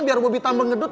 biar bobby tambah ngedut